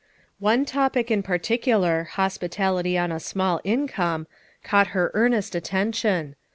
One topic in particular, "Hospitality on a Small Income" caught her earnest attention.